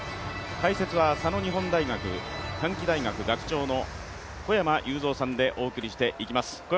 解説は佐野日本大学短期大学学長の小山裕三さんでお送りしていきます。